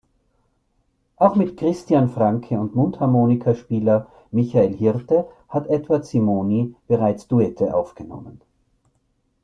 Auch mit Christian Franke und Mundharmonika-Spieler Michael Hirte hat Edward Simoni bereits Duette aufgenommen.